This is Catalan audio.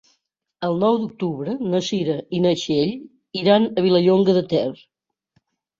El nou d'octubre na Cira i na Txell iran a Vilallonga de Ter.